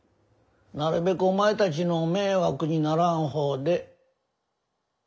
なるべくお前たちの迷惑にならん方で。